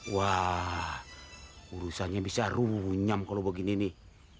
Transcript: wah urusannya bisa rumunyam kalau begini nih